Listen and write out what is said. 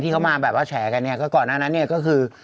เข้ามาแบบว่าแฉกันเนี่ยก็ก่อนหน้านั้นเนี่ยก็คือ